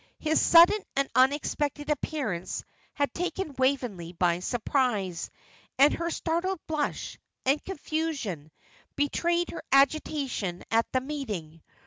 His sudden and unexpected appearance had taken Waveney by surprise, and her startled blush, and confusion, betrayed her agitation at the meeting.